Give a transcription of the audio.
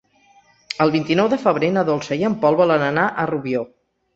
El vint-i-nou de febrer na Dolça i en Pol volen anar a Rubió.